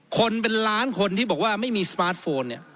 คนเป็นล้านคนที่บอกว่าไม่มีสมาร์ทโฟนเนี่ย